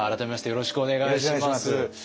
よろしくお願いします。